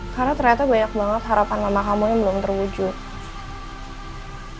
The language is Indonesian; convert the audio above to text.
karena ternyata banyak banget harapan mama kamu yang belum terwujud